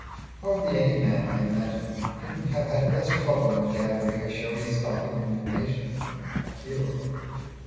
Hardly any man, I imagine, can have had less trouble in gathering a showy stock of information than Aquila.